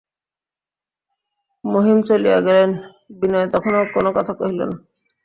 মহিম চলিয়া গেলেন, বিনয় তখনো কোনো কথা কহিল না।